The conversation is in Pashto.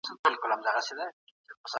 د دوی وروڼه دي؛